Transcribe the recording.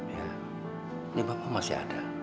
ini bapak masih ada